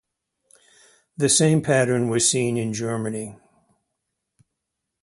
The same pattern was seen in Germany.